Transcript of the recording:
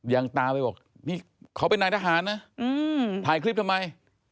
ยังตามไปบอกนี่เขาเป็นนายทหารนะถ่ายคลิปทำไม